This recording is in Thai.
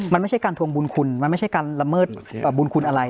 มันไม่ใช่การทวงบุญคุณมันไม่ใช่การละเมิดบุญคุณอะไร